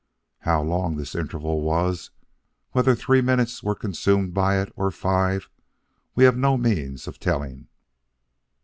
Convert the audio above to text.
How long this interval was; whether three minutes were consumed by it, or five, we have no means of telling.